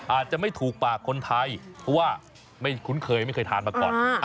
อาจจะไม่ถูกปากคนไทยเพราะว่าไม่คุ้นเคยไม่เคยทานมาก่อน